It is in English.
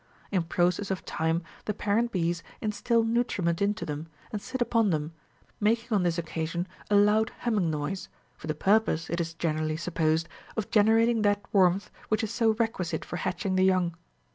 In process of time the parent bees instil nutriment into them, and sit upon them, making on this occa sion a loud humming noise, for the purpose, it is generally supposed, of generating that warmth which is so requisite for hatching the young.